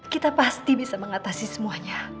kita pasti bisa mengatasi semuanya